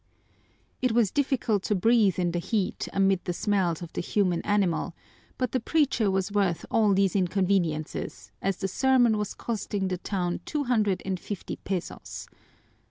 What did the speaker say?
It was difficult to breathe in the heat amid the smells of the human animal, but the preacher was worth all these inconveniences, as the sermon was costing the town two hundred and fifty pesos.